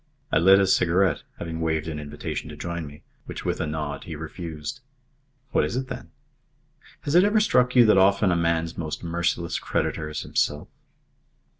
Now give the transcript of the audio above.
I lit a cigarette, having waved an invitation to join me, which with a nod he refused. "What is it, then?" "Has it ever struck you that often a man's most merciless creditor is himself?"